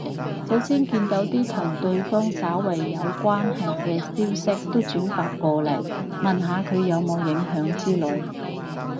首先見到啲同對方稍為有關係嘅消息就轉發過嚟，問下佢有冇影響之類